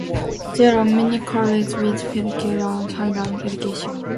There are many colleges which facilitate higher education.